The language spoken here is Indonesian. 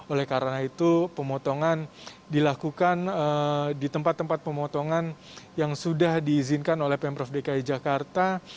oleh karena itu pemotongan dilakukan di tempat tempat pemotongan yang sudah diizinkan oleh pemprov dki jakarta